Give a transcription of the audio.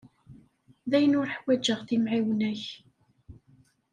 Dayen ur ḥwaǧeɣ timɛiwna-k.